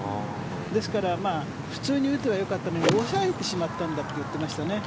ですから普通に打てばよかったのに抑えてしまったんだって言っていましたね。